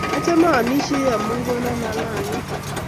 achame aamishei amu konu lalangyet